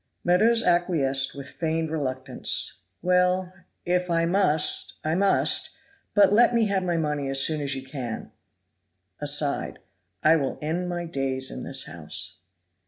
Meadows acquiesced with feigned reluctance. "Well, if I must, I must; but let me have my money as soon as you can " (aside) "I will end my days in this house."